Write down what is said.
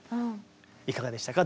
いかがでしたか？